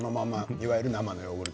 いわゆる生のヨーグルト？